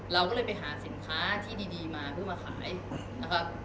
เราก็เลยไปหาสินค้าที่ดีมาเพื่อมาขายนะครับ